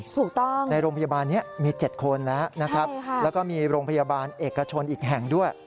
ถูกต้องนะครับในโรงพยาบาลมี๗คนแล้วแล้วก็มีโรงพยาบาลเอกชนอีกแห่งด้วย